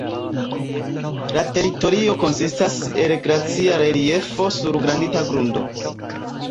La teritorio konsistas el glacia reliefo sur granita grundo.